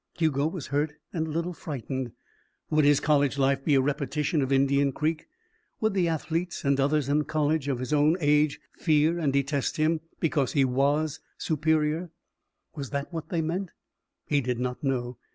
Hugo was hurt and a little frightened. Would his college life be a repetition of Indian Creek? Would the athletes and the others in college of his own age fear and detest him because he was superior? Was that what they meant? He did not know.